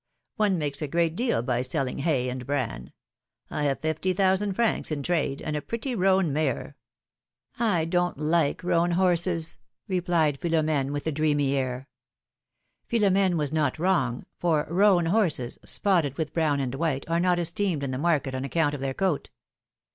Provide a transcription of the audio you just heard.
One makes a great deal by selling hay and bran ; I have fifty thousand francs in trade, and a pretty roan mare —"" I don't like roan horses," replied Philom^ne, with a dreamy air. Philom^ne was not wrong, for "roan" horses, spotted with brown and white, are not esteemed in the market on account of their coat.